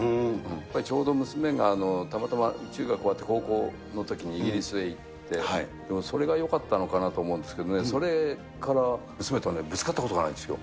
やっぱりちょうど娘がたまたま中学終わって高校のときにイギリスへ行って、それがよかったのかなと思うんですけれどもね、それから娘とぶつかったことがないんですよ。